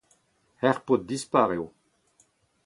Ur paotr dispar eo.